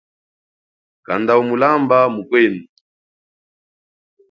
Kanda umulamba mukwenu.